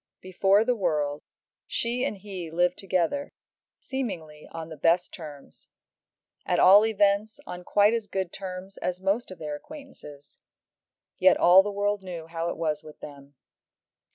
Before the world she and he lived together, seemingly on the best terms; at all events on quite as good terms as most of their acquaintances; yet all the world knew how it was with them.